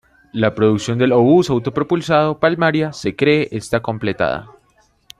La producción del obús autopropulsado "Palmaria" se cree está completada.